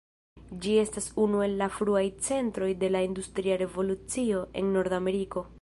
Ĝi estas unu el la fruaj centroj de la Industria Revolucio en Nordameriko.